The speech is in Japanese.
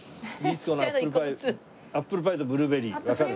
アップルパイとブルーベリーわかる？